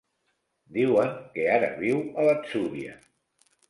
Diuen que ara viu a l'Atzúbia.